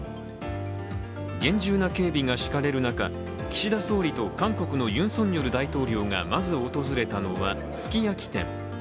厳重な警備が敷かれる中、岸田総理と韓国のユン・ソンニョル大統領がまず訪れたのは、すき焼き店。